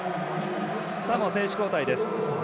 サモア、選手交代です。